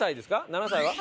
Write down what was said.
７歳は？